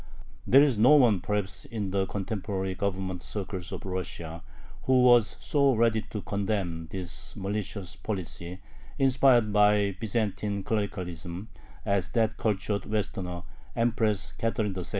There was no one perhaps in the contemporary Government circles of Russia who was so ready to condemn this malicious policy, inspired by Byzantine clericalism, as that cultured "Westerner," Empress Catherine II.